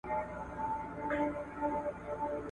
نوم چي دي پر زړه لیکم څوک خو به څه نه وايي !.